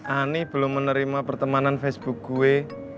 ani belum menerima pertemanan facebook gue